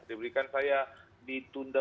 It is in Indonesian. diberikan saya ditunda